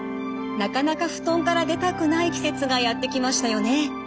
なかなか布団から出たくない季節がやって来ましたよね。